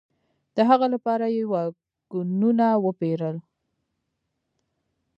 د هغه لپاره یې واګونونه وپېرل.